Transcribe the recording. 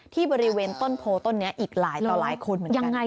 ที่บริเวณต้นโพต้นนี้อีกหลายต่อหลายคนเหมือนกัน